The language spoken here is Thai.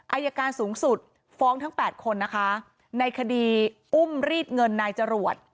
อายการสูงสุดฟ้องทั้ง๘คนนะคะในคดีอุ้มรีดเงินนายจรวด